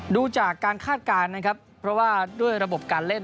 ดูจากการคาดการณ์นะครับเพราะว่าด้วยระบบการเล่น